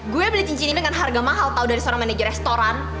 gue beli cincin ini dengan harga mahal tahu dari seorang manajer restoran